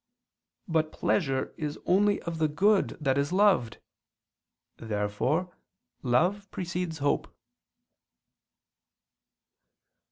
But pleasure is only of the good that is loved. Therefore love precedes hope.